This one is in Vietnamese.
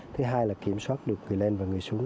thứ hai là kiểm soát được người lên và người xuống